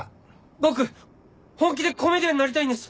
僕本気でコメディアンになりたいんです。